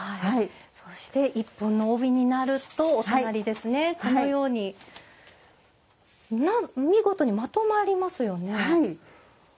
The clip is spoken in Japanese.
そして１本の帯になるとこのように見事にまとまりますよね。